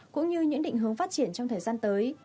cũng như những định hướng phát triển trong thời gian tới